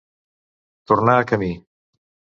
Tornar a camí.